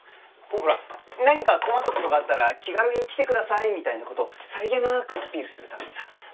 ほら何か困った事があったら気軽に来てくださいみたいな事をさりげなくアピールするためにさ。